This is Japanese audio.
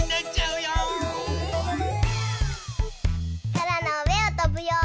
そらのうえをとぶよ！